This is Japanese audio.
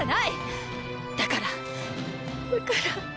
だからだから。